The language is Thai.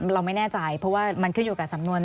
เราไม่แน่ใจเพราะว่ามันขึ้นอยู่กับสำนวน